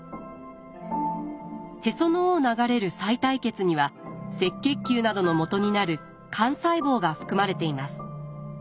へその緒を流れるさい帯血には赤血球などのもとになる幹細胞が含まれています。